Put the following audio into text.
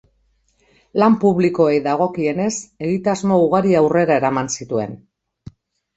Lan publikoei dagokienez, egitasmo ugari aurrera eraman zituen.